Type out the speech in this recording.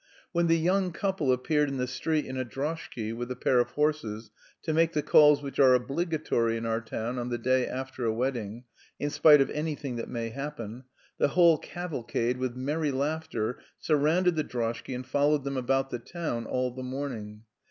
When the young couple appeared in the street in a droshky with a pair of horses to make the calls which are obligatory in our town on the day after a wedding, in spite of anything that may happen, the whole cavalcade, with merry laughter, surrounded the droshky and followed them about the town all the morning.